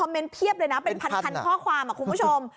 เป็นเพียบเลยนะเป็นพันพันข้อความอะคุณผู้ชม